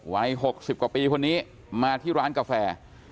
วัย๖๐กว่าปีคนนี้มาที่ร้านกาแฟ